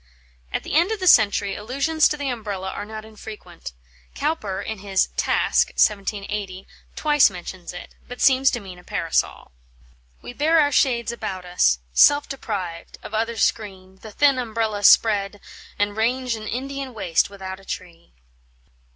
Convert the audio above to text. At the end of the century allusions to the Umbrella are not infrequent. Cowper, in his "Task" (1780), twice mentions it, but seems to mean a Parasol: "We bear our shades about us; self deprived Of other screen, the thin umbrella spread, And range an Indian waste without a tree."